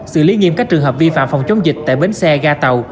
xử lý nghiêm các trường hợp vi phạm phòng chống dịch tại bến xe ga tàu